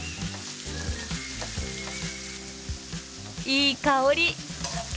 いい香り！